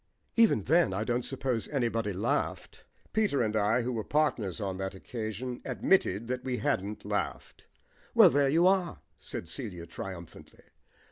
"Even then I don't suppose anybody laughed." Peter and I, who were partners on that occasion, admitted that we hadn't laughed. "Well, there you are," said Celia triumphantly.